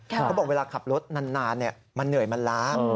เขาบอกเวลาขับรถนานมันเหนื่อยมันล้า